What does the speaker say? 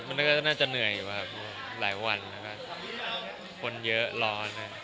มันก็น่าจะเหนื่อยอยู่ครับหลายวันคนเยอะร้อน